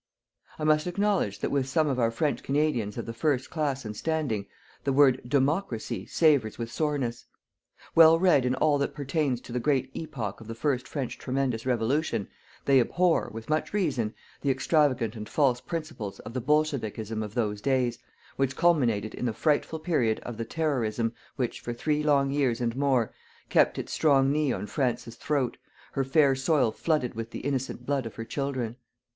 I must acknowledge that with some of our French Canadians of the first class and standing, the word "Democracy" savours with soreness. Well read in all that pertains to the great epoch of the first French tremendous Revolution, they abhor, with much reason, the extravagant and false principles of the BOLSHEVIKISM of those days, which culminated in the frightful period of the "terrorism" which, for three long years and more, kept its strong knee on France's throat, her fair soil flooded with the innocent blood of her children.